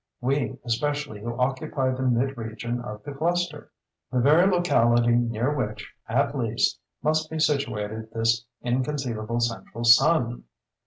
—we, especially, who occupy the mid region of the cluster—the very locality near which, at least, must be situated this inconceivable central sun.